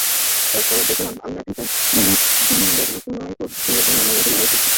তারপর দেখলাম তোমরা দুইজন জানোয়ারের মতো লড়াই করছ।